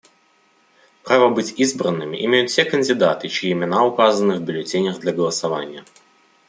Право быть избранными имеют все кандидаты, чьи имена указаны в бюллетенях для голосования.